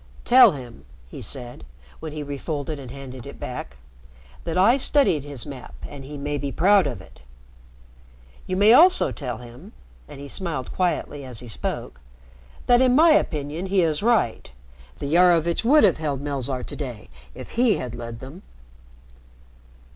"Tell him," he said, when he refolded and handed it back, "that I studied his map, and he may be proud of it. You may also tell him " and he smiled quietly as he spoke "that in my opinion he is right. The Iarovitch would have held Melzarr to day if he had led them."